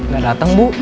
gak dateng bu